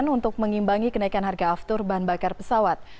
untuk mengimbangi kenaikan harga aftur bahan bakar pesawat